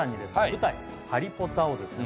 舞台ハリポタをですね